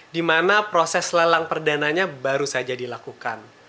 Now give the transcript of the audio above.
di mana proses lelang perdananya baru saja dilakukan